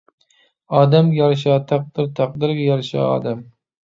ئادەمگە يارىشا تەقدىر تەقدىرگە يارىشا ئادەم